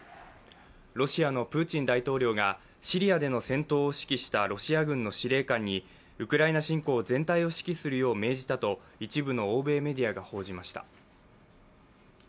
ロシアのプーチン大統領がシリアでの戦闘を指揮したロシア軍の司令官にウクライナ侵攻全体を指揮するよう命じたと一部の欧米メディアが報じました。